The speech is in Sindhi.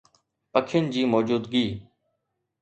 پکين جي موجودگي